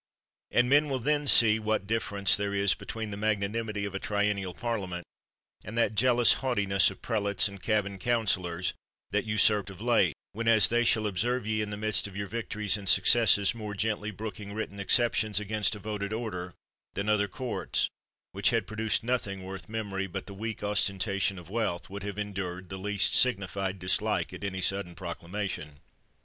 And men will then see what difference there is between the magnanimity of a triennial parliament, and that jealous haughti ness of prelates and cabin counselors that usurped of late, whenas they shall oserve ye in the midst of your victories and successes more gently brooking written exceptions against a voted order than other courts, which had pro duced nothing worth memory but the weak osten tation of wealth, would have endured the least signified dislike at any sudden proclamation.